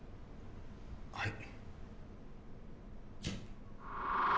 はい。